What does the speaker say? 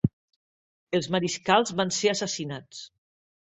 Els mariscals van ser assassinats.